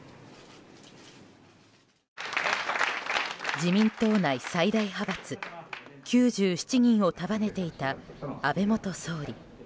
自民党内最大派閥９７人を束ねていた安倍元総理。